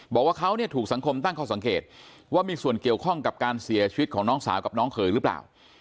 บอกว่าเขาเนี่ยถูกสังคมตั้งข้อสังเกตว่ามีส่วนเกี่ยวข้องกับการเสียชีวิตของน้องสาวกับน้องเขยหรือเปล่า